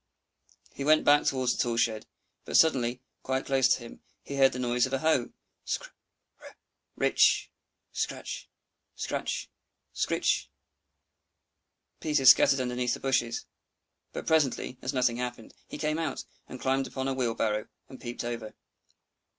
He went back towards the tool shed, but suddenly, quite close to him, he heard the noise of a hoe scr r ritch, scratch, scratch, scritch. Peter scuttered underneath the bushes. But presently, as nothing happened, he came out, and climbed upon a wheelbarrow, and peeped over.